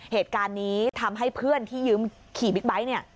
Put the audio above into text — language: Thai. เหตุการณ์นี้ทำให้เพื่อนที่ยืมขี่บิ๊กไบท์เนี่ย